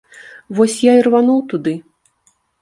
Вось я і рвануў туды.